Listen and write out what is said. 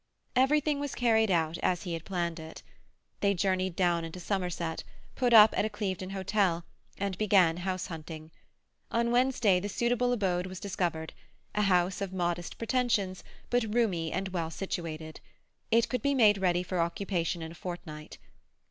Everything was carried out as he had planned it. They journeyed down into Somerset, put up at a Clevedon hotel, and began house hunting. On Wednesday the suitable abode was discovered—a house of modest pretensions, but roomy and well situated. It could be made ready for occupation in a fortnight.